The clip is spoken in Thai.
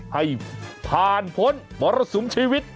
ให้ผ่านพ้นมรสุมชีวิต